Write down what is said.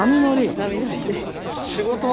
波乗りで。